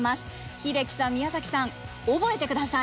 英樹さん宮崎さん覚えてください。